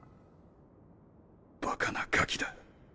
バカなガキだ。